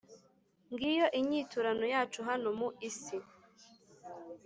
ngiyo inyiturano yacu hano mu nsi.»